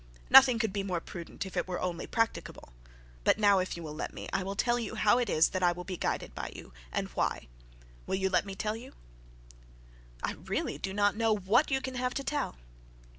'Nothing could be more prudent, if only it were practicable. But now, if you will let me, I will tell you how it is that I will be guided by you, and why. Will you let me tell you?' 'I really do not know what you can have to tell.'